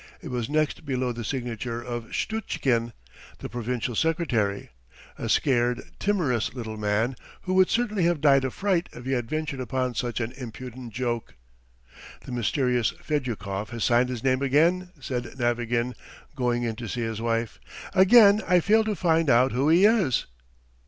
It was next below the signature of Shtutchkin, the provincial secretary, a scared, timorous little man who would certainly have died of fright if he had ventured upon such an impudent joke. "The mysterious Fedyukov has signed his name again!" said Navagin, going in to see his wife. "Again I fail to find out who he is."